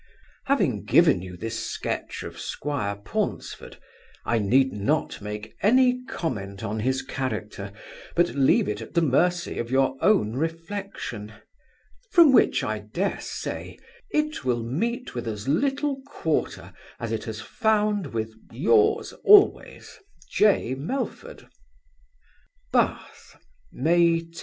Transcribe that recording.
Having given you this sketch of squire Paunceford, I need not make any comment on his character, but leave it at the mercy of your own reflection; from which I dare say, it will meet with as little quarter as it has found with Yours always, J. MELFORD BATH, May 10.